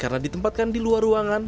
karena ditempatkan di luar ruangan